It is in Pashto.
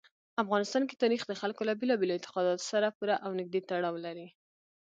افغانستان کې تاریخ د خلکو له بېلابېلو اعتقاداتو سره پوره او نږدې تړاو لري.